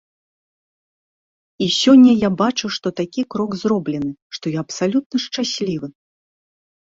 І сёння я бачу, што такі крок зроблены, што я абсалютна шчаслівы!